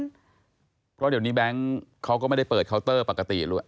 เพราะเดี๋ยวนี้แบงค์เขาก็ไม่ได้เปิดเคาน์เตอร์ปกติด้วย